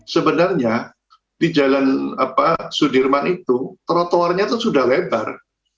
sebenarnya di jalan sudirman itu trotoarnya itu sudah lebar